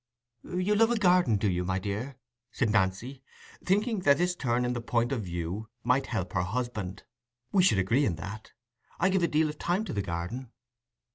"You love a garden, do you, my dear?" said Nancy, thinking that this turn in the point of view might help her husband. "We should agree in that: I give a deal of time to the garden."